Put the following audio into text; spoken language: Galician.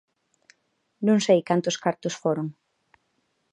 Non sei cantos cartos foron.